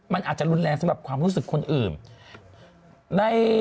มันอาจจะรุนแรงสำหรับความรู้สึกคนอื่น